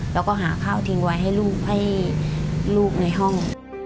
แล้วก็หาข้าวทิ้งไว้ให้ลูกให้ลูกในห้อง